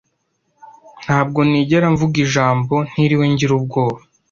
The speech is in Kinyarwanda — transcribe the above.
Ntabwo nigera mvuga ijambo ntiriwe ngira ubwoba.